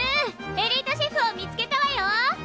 エリートシェフを見つけたわよ！